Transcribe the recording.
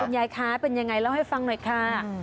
ยายคะเป็นยังไงเล่าให้ฟังหน่อยค่ะ